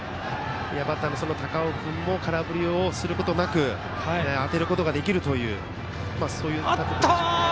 バッターの高尾君も空振りをすることなく当てることができるというところでしょうね。